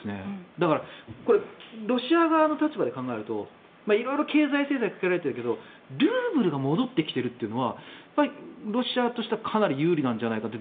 だからロシア側の立場で考えると色々、経済制裁かけられているけどルーブルが戻ってきてるというのはロシアとしてはかなり有利なんじゃないかって。